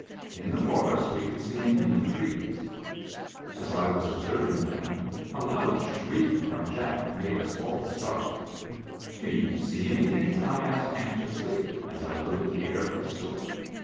In the forest we could see many trees. As I was observing them, a loud shriek from Jack made us all start. " Do you see anything?" I asked anxiously, as I loaded the air pistol.